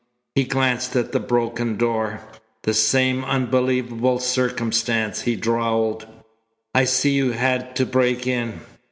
He glanced at the broken door. "The same unbelievable circumstance," he drawled. "I see you had to break in."